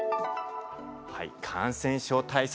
感染症対策